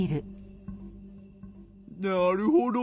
なるほど。